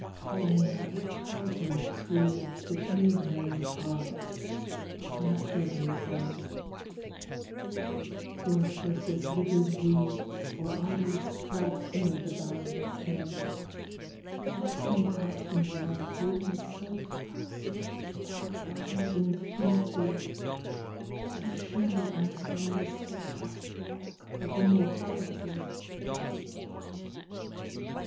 Vain are the thousand creeds That move men's hearts: unutterably vain; Worthless as withered weeds, Or idlest froth amid the boundless main, To waken doubt in one Holding so fast by thine infinity; So surely anchored on The stedfast rock of immortality.